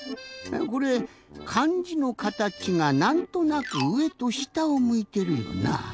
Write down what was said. これかんじのかたちがなんとなく「上」と「下」をむいてるよな。